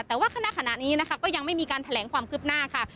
แต่ว่าคณะขณะนี้นะคะก็ยังไม่มีการแถลงความคืบหน้าค่ะ